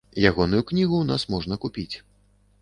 Ягоную кнігу ў нас можна купіць.